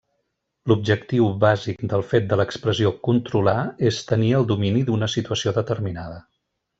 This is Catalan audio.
L'objectiu bàsic del fet de l'expressió 'controlar' és tenir el domini d'una situació determinada.